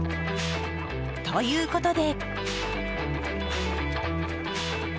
ということで。